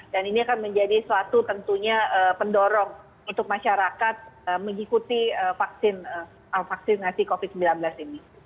dan ini akan menjadi suatu tentunya pendorong untuk masyarakat mengikuti vaksinasi covid sembilan belas ini